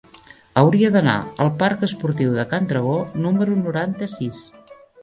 Hauria d'anar al parc Esportiu de Can Dragó número noranta-sis.